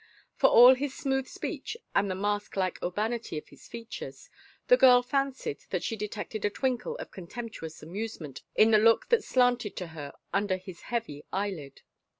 For all his smooth speech and the mask like urbanity of his features, the girl fancied that she detected a twinkle of contemptuous amusement in the look that slanted to her under his heavy eyelid.